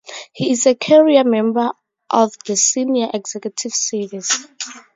He is a career member of the Senior Executive Service.